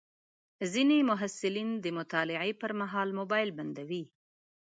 ځینې محصلین د مطالعې پر مهال موبایل بندوي.